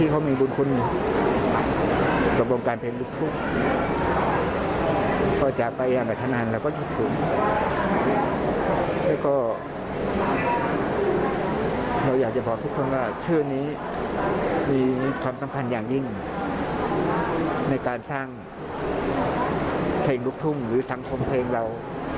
เราไม่เป็นใครมาให้ทางน้ำเพลงรุกทุ่มหรือสังสมเพลงเรา